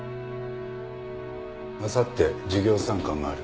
あさって授業参観がある。